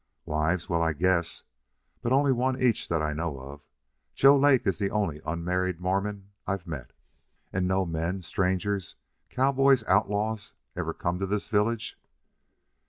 "Wives! Well, I guess. But only one each that I know of. Joe Lake is the only unmarried Mormon I've met." "And no men strangers, cowboys, outlaws ever come to this village?"